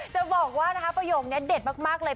จะบอกว่าประโยคนี้เด็ดมากเลย